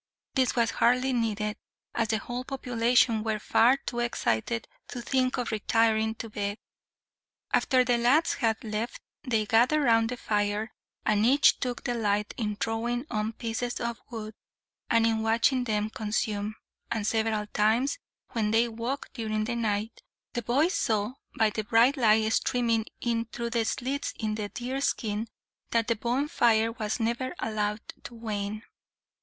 This was hardly needed, as the whole population were far too excited to think of retiring to bed. After the lads had left they gathered round the fire, and each took delight in throwing on pieces of wood, and in watching them consume; and several times, when they woke during the night, the boys saw, by the bright light streaming in through the slits in the deerskin, that the bonfire was never allowed to wane.